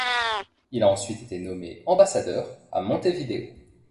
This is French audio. Il a ensuite été nommé ambassadeur à Montevideo.